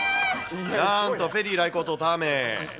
なんとペリー来航とタメ。